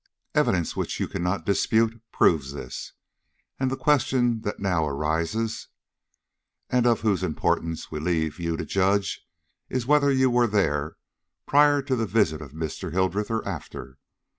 Evidence which you cannot dispute proves this, and the question that now arises, and of whose importance we leave you to judge, is whether you were there prior to the visit of Mr. Hildreth, or after.